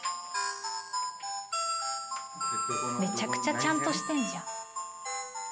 めちゃくちゃちゃんとしてんじゃん。